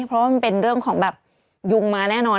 เพราะว่ามันเป็นเรื่องของแบบยุงมาแน่นอน